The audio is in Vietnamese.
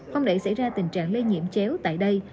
không để xảy ra tình trạng lây nhiễm chéo tại đây